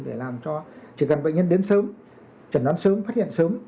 để làm cho chỉ cần bệnh nhân đến sớm trần đón sớm phát hiện sớm